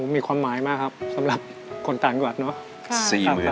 มีความหมายมากครับสำหรับคนต่างจังหวัดเนอะ